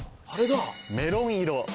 メロン色。